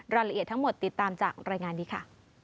รายละเอียดทั้งหมดติดตามจากรายงานนี้ค่ะ